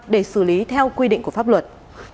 để xử lý theo quy định của pháp luật